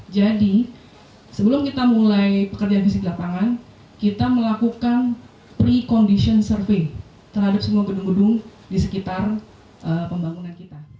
jadi sebelum kita mulai pekerjaan fisik lapangan kita melakukan pre condition survey terhadap semua gedung gedung di sekitar pembangunan kita